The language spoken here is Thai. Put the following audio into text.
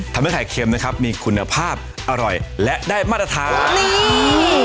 ทำให้ไข่เค็มนะครับมีคุณภาพอร่อยและได้มาตรฐานนี่